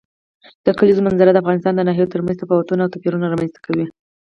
د کلیزو منظره د افغانستان د ناحیو ترمنځ تفاوتونه او توپیرونه رامنځ ته کوي.